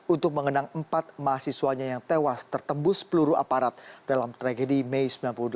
untuk mengenang empat mahasiswanya yang tewas tertembus peluru aparat dalam tragedi mei seribu sembilan ratus delapan puluh